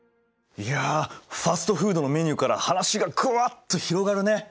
いやファストフードのメニューから話がグワッと広がるね。